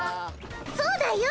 そうだよ